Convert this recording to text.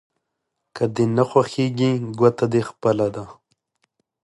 که دې نه خوښېږي ګوته دې خپله ده.